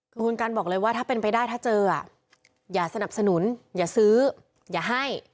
คือคุณกันบอกเลยว่าถ้าเป็นไปได้ถ้าเจออย่าสนับสนุนอย่าซื้ออย่าให้